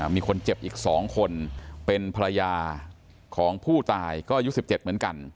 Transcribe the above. มีคนเจ็บอีก๒คนเป็นภรรยาของผู้ตายก็อายุ๑๗เหมือนกัน